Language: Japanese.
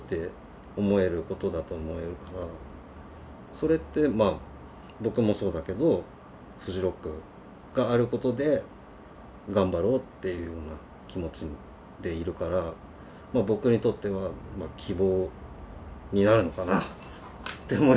それってまあ僕もそうだけどフジロックがあることで頑張ろうっていうような気持ちでいるから僕にとっては希望になるのかなって思いますね。